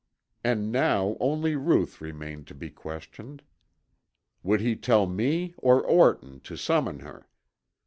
And now only Ruth remained to be questioned. Would he tell me or Orton to summon her?